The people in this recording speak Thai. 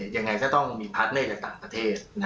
ยังไงก็ต้องมีพาร์ทเนอร์จากต่างประเทศ